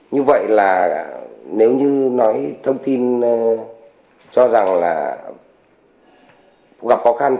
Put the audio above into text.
như vậy là nếu như nói thông tin cho rằng là gặp khó khăn